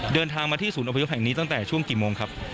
เดินทางมาที่ศูนย์อพยพแห่งนี้ตั้งแต่ช่วงกี่โมงครับ